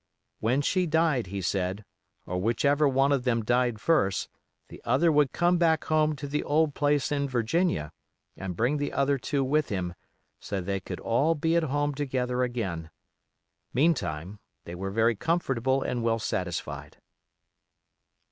When she died, he said, or whichever one of them died first, the other would come back home to the old place in Virginia, and bring the other two with him, so they could all be at home together again. Meantime, they were very comfortable and well satisfied."